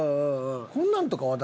こんなのとかは？